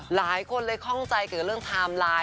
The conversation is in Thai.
หลายคนเลยข้องใจเกี่ยวกับเรื่องไทม์ไลน์